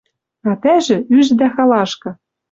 А тӓжы ӱжӹдӓ халашкы...